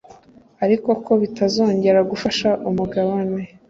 ariko ko bitazongera gufasha umugabane